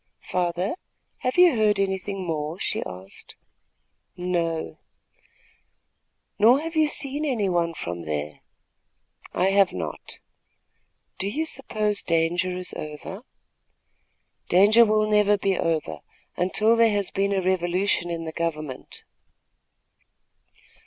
"Father, have you heard anything more?" she asked. "No." "Nor have you seen any one from there?" "I have not." "Do you suppose danger is over?" "Danger never will be over, until there has been a revolution in the government."